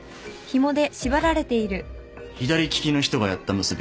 左利きの人がやった結び方です。